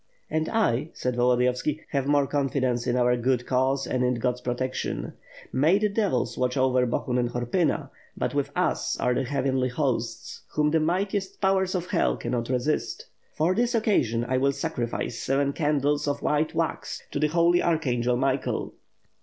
"And I," said Volodiyovski, "have more confidence in our good cause and in God's protection. May the devils watch over Bohun and Horpyna; but with us are the Heavenly Hosts, whom the mightiest powers of Hell cannot resist. For this occasion, I will sacrifice seven candles of white wax to the Holy Archangel Michael."